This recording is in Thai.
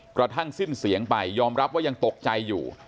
กระทั่งสิ้นเสียงไปยอมรับว่ายังตกใจอยู่